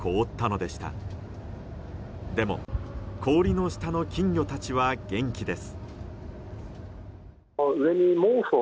でも、氷の下の金魚たちは元気です。